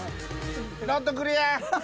ノットクリア！